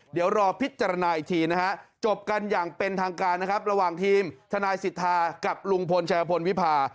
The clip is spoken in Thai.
เดี๋ยวรอพิจารณาอีกทีนะฮะจบกันอย่างเป็นทางการนะครับระหว่างทีมทนายสิทธากับลุงพลชายพลวิพา